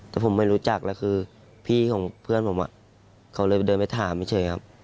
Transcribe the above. แต่ผมไม่รู้จักแล้วคือพี่ของเพื่อนผมเขาเลยเดินไปถามเฉยครับ